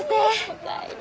お帰り。